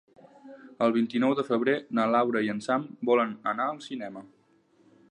El vint-i-nou de febrer na Laura i en Sam volen anar al cinema.